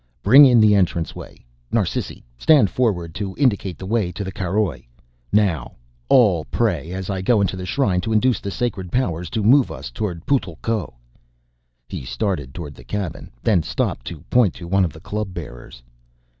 "Bring in the entranceway. Narsisi stand forward to indicate the way to the caroj. Now all pray as I go into the shrine to induce the sacred powers to move us towards Putl'ko." He started towards the cabin, then stopped to point to one of the club bearers.